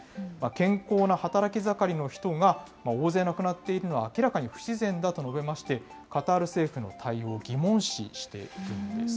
健康な働き盛りの人が、大勢亡くなっているのは明らかに不自然だと述べまして、カタール政府の対応を疑問視しているんです。